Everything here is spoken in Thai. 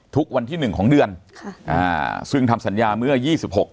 ทุกวันที่หนึ่งของเดือนค่ะอ่าซึ่งทำสัญญาเมื่อยี่สิบหก